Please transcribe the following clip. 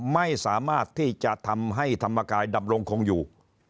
ไม่สามารถที่จะทำให้ธรรมกายดำรงคงอยู่